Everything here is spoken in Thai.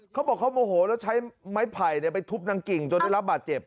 เขาบอกเขาโมโหแล้วใช้ไม้ไผ่ไปทุบนางกิ่งจนได้รับบาดเจ็บ